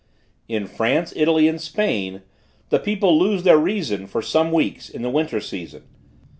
"In France, Italy and Spain, the people lose their reason for some weeks, in the winter season.